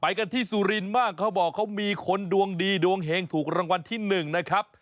กันที่สุรินทร์บ้างเขาบอกเขามีคนดวงดีดวงเฮงถูกรางวัลที่๑นะครับ